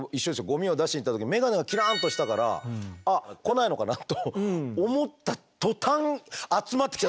ゴミを出しに行った時眼鏡がキランとしたからあっ来ないのかなと思った途端え！